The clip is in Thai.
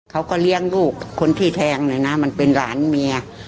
เขาก็เลี้ยงลูกคนที่แทงเลยนะมันเป็นหลานเมีย